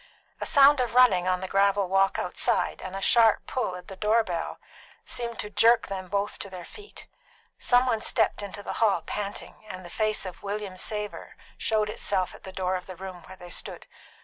A sound of running on the gravel walk outside and a sharp pull at the door bell seemed to jerk them both to their feet. Some one stepped into the hall panting, and the face of William Savor showed itself at the door of the room where they stood.